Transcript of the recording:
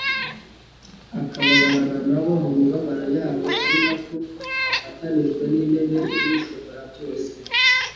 akababarana na bo mu mibabaro yabo ari nako afatanijwe n'intebe y'Ushobora byose